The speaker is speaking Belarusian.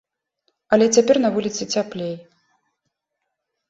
Але цяпер на вуліцы цяплей.